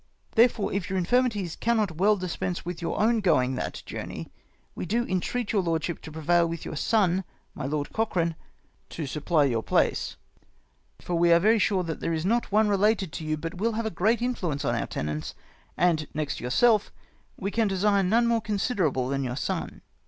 " Therefore, if your infirmities cannot well dispense with your own going that journey, we do entreat your lordship to prevail with your son, my Lord Cochrane, to supply your place. For we are very sure that there is not one related ACCOUNT OF THE DUNDONALD FAMILY. 27 to you, but will have a great influence on our tenants ; and, next to yourself, we can desire none more considerable than your son.